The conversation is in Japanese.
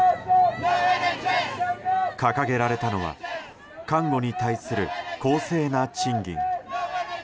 掲げられたのは看護に対する公正な賃金。